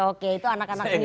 oke itu anak anak ini